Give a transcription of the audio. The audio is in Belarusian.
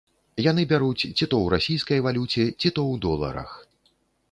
Яны бяруць ці то ў расійскай валюце, ці то ў доларах.